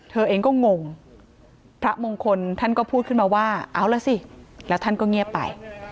เธอเองก็งงพระมงคลท่านก็พูดขึ้นมาว่าเอาล่ะสิแล้วท่านก็เงียบไป